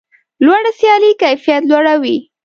لوړه سیالي کیفیت لوړوي.